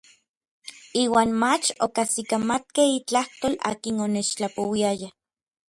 Iuan mach okajsikamatkej itlajtol akin onechtlapouiaya.